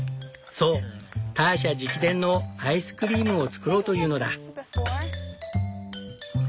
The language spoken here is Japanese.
そうターシャ直伝のアイスクリームを作ろうというのだ。